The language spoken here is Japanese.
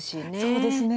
そうですね。